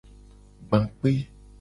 Gba kpe.